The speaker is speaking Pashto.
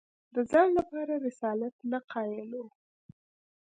د ځان لپاره رسالت نه قایل وو